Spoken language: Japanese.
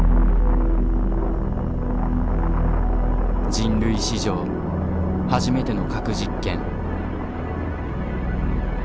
人類史上初めての核実験。